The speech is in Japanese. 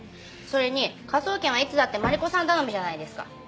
それに科捜研はいつだってマリコさん頼みじゃないですか。